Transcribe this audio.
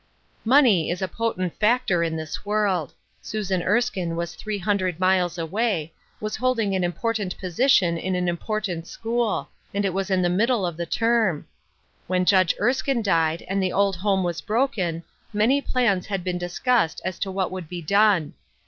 Money is a potent factor in this world. Susan 248 BELATED WORK. Erskine was three hundred miles away ; was hold ing an important position in an important school ; and it was in the middle of the term. When Judge Erskine died, and the old home was broken, many plans had been discussed as to what would be done.